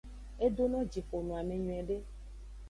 Edono jixo noame nyuiede.